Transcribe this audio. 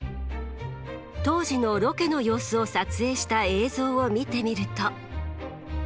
当時のロケの様子を撮影した映像を見てみると。